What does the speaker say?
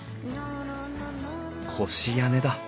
越屋根だ。